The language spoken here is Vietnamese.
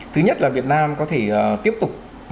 thứ nhất là việt nam có thể tiếp tục